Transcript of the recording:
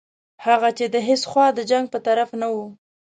هغه چې د هیڅ خوا د جنګ په طرف نه وو.